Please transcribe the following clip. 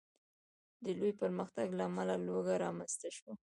د لوی پرمختګ له امله لوږه رامنځته شوه.